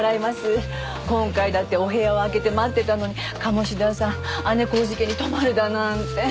今回だってお部屋を空けて待ってたのに鴨志田さん姉小路家に泊まるだなんて。